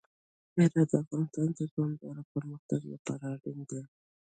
هرات د افغانستان د دوامداره پرمختګ لپاره اړین دي.